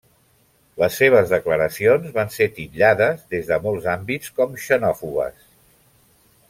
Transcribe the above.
Les seves declaracions van ser titllades des de molts àmbits com xenòfobes.